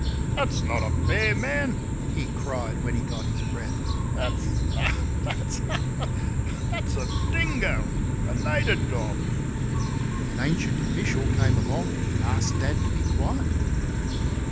"That's not a bear, man," he cried, when he got his breath; "that's ha! that's ha, ha a ha! ha! ha! a dingo a nater dorg." An ancient official came along and asked Dad to be quiet.